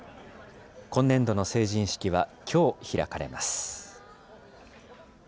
今年度の成人式はきょう開かれます。